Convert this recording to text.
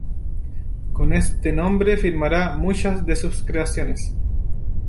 Con este nombre firmará muchas de sus creaciones.